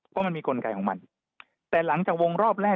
เพราะมันมีกลไกของมันแต่หลังจากวงรอบแรก